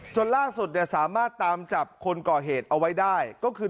จนล่าสุดเนี่ยสามารถตามจับคนก่อเหตุเอาไว้ได้ก็คือ